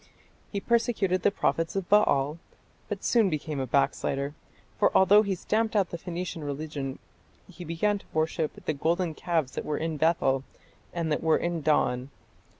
He persecuted the prophets of Baal, but soon became a backslider, for although he stamped out the Phoenician religion he began to worship "the golden calves that were in Bethel and that were in Dan....